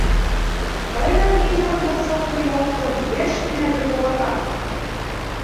Ҡайҙан йыйылған был саҡлы ялҡын йәш кенә бер балаға?